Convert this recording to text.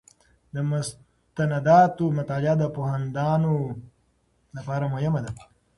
د مستنداتو مطالعه د پوهاندانو لپاره مهمه ده.